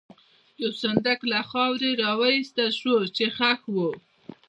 یو صندوق له خاورې را وایستل شو، چې ښخ و.